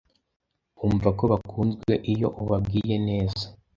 bumva ko bakunzwe iyo ubabwiye neza